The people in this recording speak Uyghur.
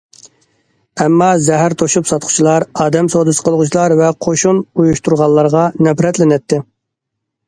ئەمما زەھەر توشۇپ ساتقۇچىلار، ئادەم سودىسى قىلغۇچىلار ۋە قوشۇن ئۇيۇشتۇرغانلارغا نەپرەتلىنەتتى.